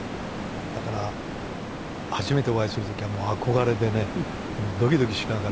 だから初めてお会いする時はもう憧れでねドキドキしながら。